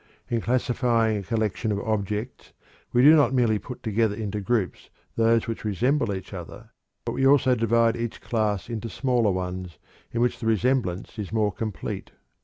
In classifying a collection of objects, we do not merely put together into groups those which resemble each other, but we also divide each class into smaller ones in which the resemblance is more complete.